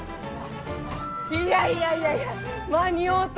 いやいやいやいや間に合うた！